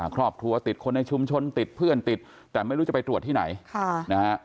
ครอบครัวติดคนในชุมชนติดเพื่อนติดแต่ไม่รู้จะไปตรวจที่ไหนนะฮะ